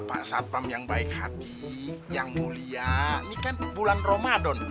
pak satpam yang baik hati yang mulia ini kan bulan ramadan